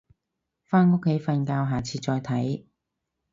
返屋企瞓覺，下次再睇